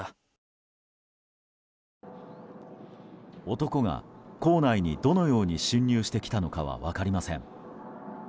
男が、校内にどのように侵入してきたのかは分かりません。